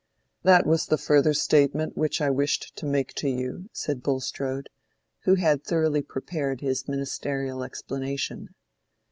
"That was the further statement which I wished to make to you," said Bulstrode, who had thoroughly prepared his ministerial explanation.